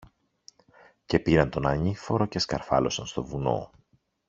Και πήραν τον ανήφορο και σκαρφάλωσαν στο βουνό.